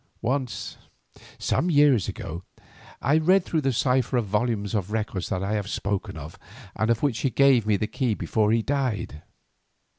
Once, some years ago, I read through the cipher volumes of records that I have spoken of, and of which he gave me the key before he died.